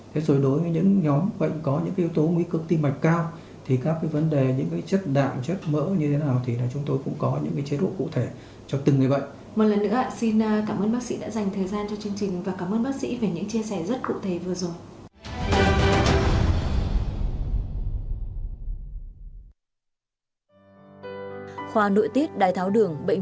thế rồi đối với những nhóm bệnh có những cái yếu tố mỹ cước tim mạch cao thì các cái vấn đề những cái chất đạm chất mỡ như thế nào thì là chúng tôi cũng có những cái chế độ cụ thể cho từng người bệnh